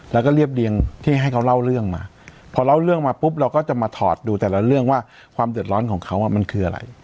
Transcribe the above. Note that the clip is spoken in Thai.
แล้วก็เรียบเรียงที่ให้เขาเล่าเรื่องมาพอเล่าเรื่องมาปุ๊บเราก็จะมาถอดดูแต่ละเรื่องว่าความเดือดร้อนของเขามันคืออะไร